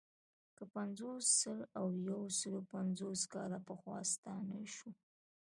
که پنځوس، سل او یو سلو پنځوس کاله پخوا ستانه شو.